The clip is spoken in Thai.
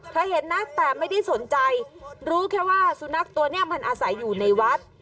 เห็นนะแต่ไม่ได้สนใจรู้แค่ว่าสุนัขตัวนี้มันอาศัยอยู่ในวัด